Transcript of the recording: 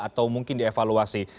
atau mungkin dievaluasi